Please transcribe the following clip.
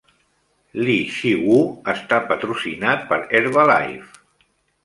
Lee Chi Wo està patrocinat per Herbalife.